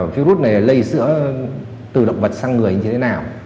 virus này lây sữa từ động vật sang người như thế nào